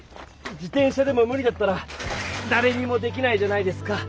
自転車でもむ理だったらだれにもできないじゃないですか。